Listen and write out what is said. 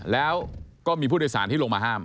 แล้วก็มีผู้โดยสารที่ลงมาห้าม